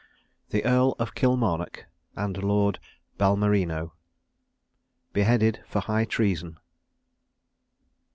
THE EARL OF KILMARNOCK, AND LORD BALMERINO. BEHEADED FOR HIGH TREASON.